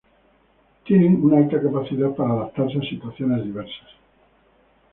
Tienen una alta capacidad para adaptarse a situaciones diversas.